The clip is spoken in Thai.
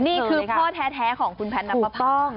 นี่คือพ่อแท้ของคุณแพทนับภาค